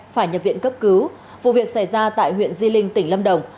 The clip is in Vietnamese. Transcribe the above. phải nhập viện cấp cứu vụ việc xảy ra tại huyện di linh tỉnh lâm đồng